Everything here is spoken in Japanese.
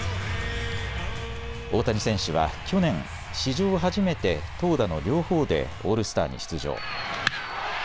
大谷選手は去年、史上初めて投打の両方でオールスターに出場。